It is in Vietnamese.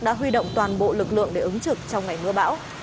đã huy động toàn bộ lực lượng để ứng trực trong ngày mưa bão